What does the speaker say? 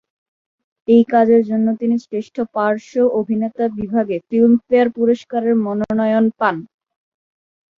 এই কাজের জন্য তিনি শ্রেষ্ঠ পার্শ্ব অভিনেতা বিভাগে ফিল্মফেয়ার পুরস্কারের মনোনয়ন পান।